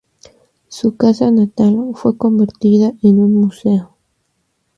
Su casa natal fue convertida en un museo.